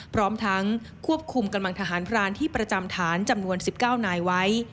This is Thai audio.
พร้อมทั้งควบคุมกำลังทหารพรานที่ประจำฐานจำนวน๑๙นายไว้